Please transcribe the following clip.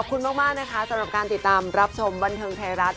ขอบคุณมากนะคะสำหรับการติดตามรับชมบันเทิงไทยรัฐ